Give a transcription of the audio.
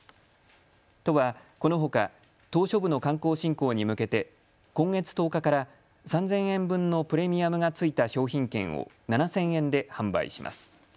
都はこのほか島しょ部の観光振興に向けて今月１０日から３０００円分のプレミアムが付いた商品券を７０００円で販売します。